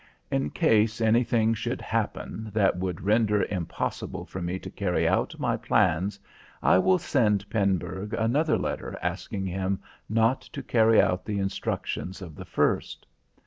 In case anything should happen that would render impossible for me to carry out my plans, I will send Pernburg another letter asking him not to carry out the instructions of the first.